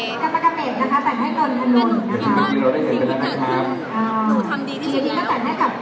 นี่คือสิ่งที่หนูทำดีที่สุดแล้ว